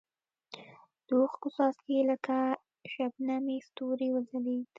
د اوښکو څاڅکي یې لکه شبنمي ستوري وځلېدل.